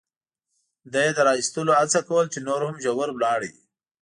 ده یې د را اېستلو هڅه کول، چې نور هم ژور ولاړ.